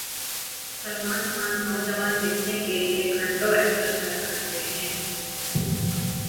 سلمان خان نوجوان دکھنے کیلئے گھنٹوں ایکسرسائز کرتے ہیں